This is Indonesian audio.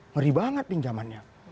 ngeri banget pinjamannya